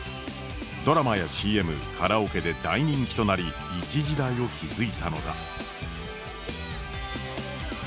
ドラマやＣＭカラオケで大人気となり一時代を築いたのだ。